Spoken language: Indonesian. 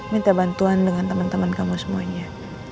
minta bantuan dengan teman teman kamu semuanya